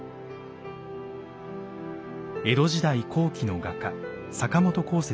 江戸時代後期の画家阪本浩